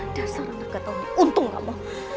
dasar anak ketahuan diuntung kamu